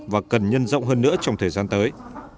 và cần nhân rộng hơn nữa trong thời gian tới